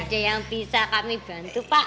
ada yang bisa kami bantu pak